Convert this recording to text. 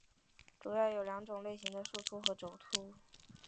主要有两种类型的树突和轴突。